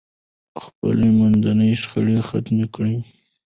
خپل منځي شخړې ختمې کړئ.